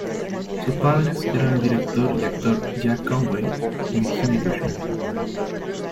Sus padres eran el director y actor Jack Conway y Virginia Bushman.